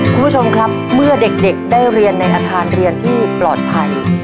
คุณผู้ชมครับเมื่อเด็กได้เรียนในอาคารเรียนที่ปลอดภัย